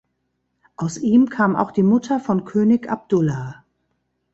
Aus ihm kam auch die Mutter von König Abdullah.